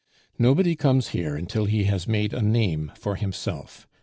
Nobody comes here until he has made a name for himself!